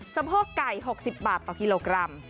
สะโพกไก่๖๐บาทต่อกิโลกรัม